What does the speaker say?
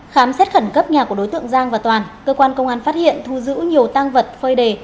khám xét khẩn cấp nhà của đối tượng giang và toàn cơ quan công an phát hiện thu giữ nhiều tăng vật phơi đề